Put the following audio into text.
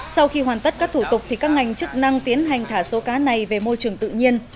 sau khi hoàn tất các thủ tục thì các ngành chức năng tiến hành thả số cá này về môi trường tự nhiên